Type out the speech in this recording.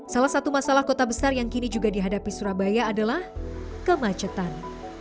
salah satu masalah kota besar yang kini juga dihadapi surabaya adalah kemacetan